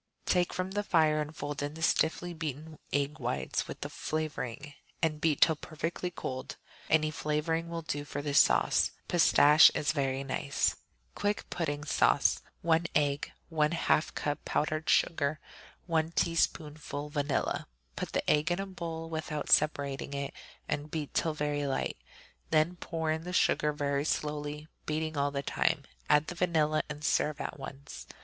Take from the fire and fold in the stiffly beaten egg whites with the flavoring, and beat till perfectly cold. Any flavoring will do for this sauce; pistache is very nice. Quick Pudding Sauce 1 egg. 1/2 cup powdered sugar. 1 teaspoonful vanilla. Put the egg in a bowl without separating it and beat till very light; then pour in the sugar very slowly, beating all the time; add the vanilla and serve at once.